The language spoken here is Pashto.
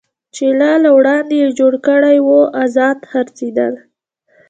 چې لا له وړاندې یې جوړ کړی و، ازاد څرخېدل.